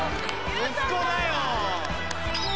息子だよ。